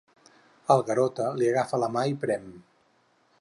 El Garota li agafa la mà i prem.